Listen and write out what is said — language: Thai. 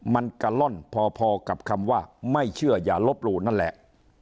มันกะล่อนพอกับคำว่าไม่เชื่ออย่าลบหลู่นั่นแหละ